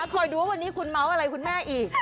คอยดูว่าวันนี้คุณเมาส์อะไรคุณแม่อีก